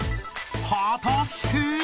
［果たして！］